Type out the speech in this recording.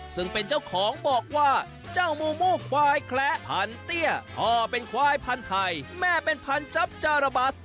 ซึ่งเป็นเจ้าของบอกว่าเจ้ามูมูควายแคละพันเตี้ยพ่อเป็นควายพันธุ์ไทยแม่เป็นพันจั๊บจาระบัส